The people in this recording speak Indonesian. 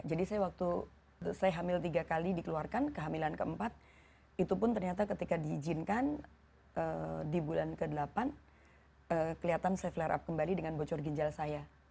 jadi saya waktu saya hamil tiga kali dikeluarkan kehamilan keempat itu pun ternyata ketika diizinkan di bulan ke delapan kelihatan saya flare up kembali dengan bocor ginjal saya